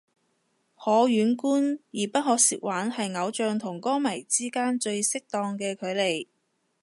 可遠觀而不可褻玩係偶像同歌迷之間最適當嘅距離